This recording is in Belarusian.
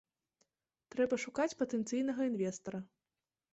Трэба шукаць патэнцыйнага інвестара.